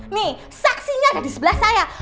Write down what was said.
nih saksinya ada di sebelah saya